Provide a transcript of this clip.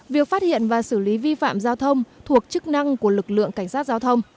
việc phát hiện và xử lý vi phạm giao thông thuộc chức năng của lực lượng cảnh sát giao thông